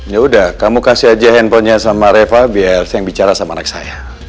ya udah kamu kasih aja handphonenya sama reva biar saya yang bicara sama anak saya